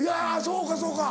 そうかそうか。